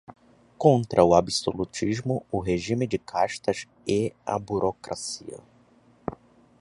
contra o absolutismo, o regime de castas e a burocracia